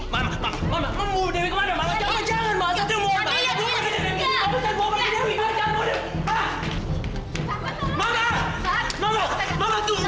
mama mama mau dewi kemana jangan jangan